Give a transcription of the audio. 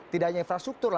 tidak hanya infrastruktur